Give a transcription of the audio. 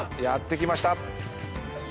やって来ました。